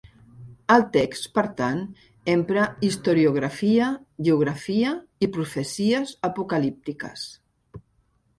El text, per tant, empra historiografia, geografia i profecies apocalíptiques.